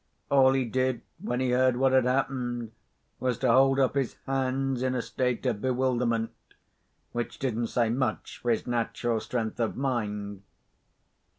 All he did when he heard what had happened was to hold up his hands in a state of bewilderment, which didn't say much for his natural strength of mind.